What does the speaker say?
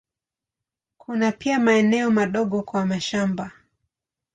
Kuna pia maeneo madogo kwa mashamba.